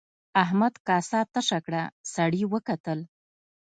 احمد کاسه تشه کړه سړي وکتل.